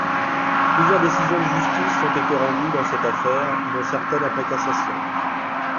Plusieurs décisions de justice ont été rendues dans cette affaire, dont certaines après cassation.